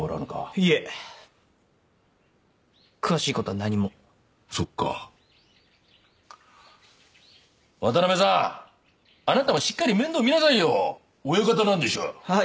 いえ詳しいことは何もそっか渡辺さんあなたもしっかり面倒みなさいよ親方なんでしょあっ